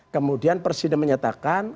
kemudian presiden menyatakan